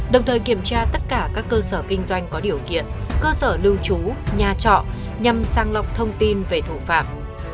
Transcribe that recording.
đồng thời kiểm tra tất cả các cơ sở kinh doanh có điều kiện cơ sở lưu trú nhà trọ nhằm sang lọc thông tin về thủ phạm